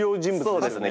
そうですね。